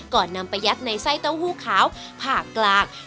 นำไปยัดในไส้เต้าหู้ขาวผ่ากลาง